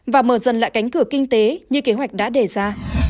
và mở dần lại cánh cửa kinh tế như kế hoạch đã đề ra